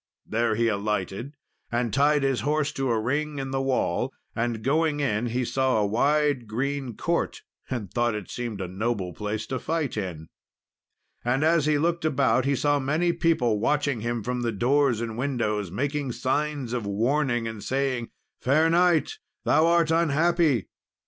There he alighted, and tied his horse to a ring in the wall; and going in, he saw a wide green court, and thought it seemed a noble place to fight in. And as he looked about, he saw many people watching him from doors and windows, making signs of warning, and saying, "Fair knight, thou art unhappy."